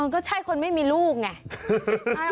ก็ใช่คนไม่มีลูกไง